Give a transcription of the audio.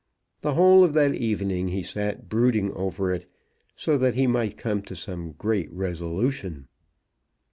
The whole of that evening he sat brooding over it, so that he might come to some great resolution.